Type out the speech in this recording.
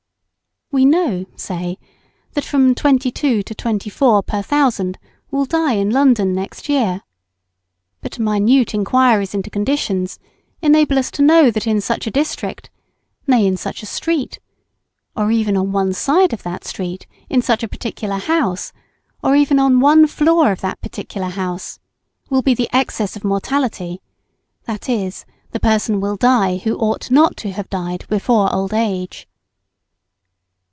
We know, say, that from 22 to 24 per 1,000 will die in London next year. But minute enquiries into conditions enable us to know that in such a district, nay, in such a street, or even on one side of that street, in such a particular house, or even on one floor of that particular house, will be the excess of mortality, that is, the person will die who ought not to have died before old age.